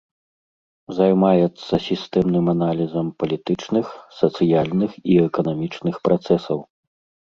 Займаецца сістэмным аналізам палітычных, сацыяльных і эканамічных працэсаў.